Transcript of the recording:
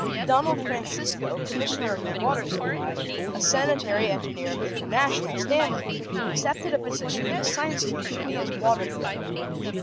Donald Francisco, Commissioner of the Water Supply, a sanitary engineer of international standing, accepted a position in the Science Community as Water Director.